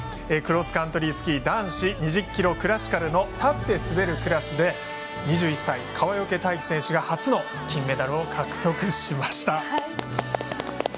クロスカントリースキー男子２０ｋｍクラシカルの立って滑るクラスで２１歳、川除大輝選手が初の金メダルを獲得しました。